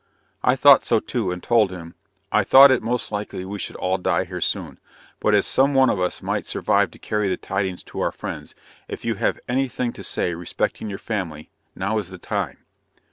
I thought so too, and told him, "I thought it most likely we should all die here soon; but as some one of us might survive to carry the tidings to our friends, if you have any thing to say respecting your family, now is the time."